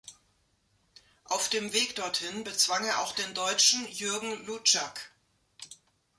Auf dem Weg dorthin bezwang er auch den Deutschen Jürgen Luczak.